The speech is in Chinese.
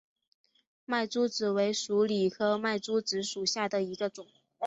麦珠子为鼠李科麦珠子属下的一个种。